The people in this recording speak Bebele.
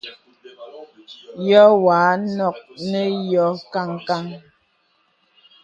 Nyɔ̄ wàm ɔ̀nə nə v yɔ̄ kan kan.